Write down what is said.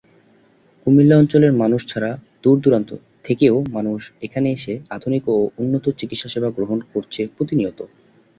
কুমিল্লা অঞ্চলের মানুষ ছাড়া দূর-দূরান্ত থেকেও মানুষ এখানে এসে আধুনিক ও উন্নত চিকিৎসা সেবা গ্রহণ করছে প্রতিনিয়ত।